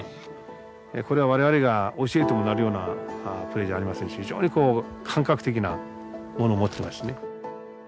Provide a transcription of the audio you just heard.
これは我々が教えてもなるようなプレーじゃありませんし非常に感覚的なものを持ってますね。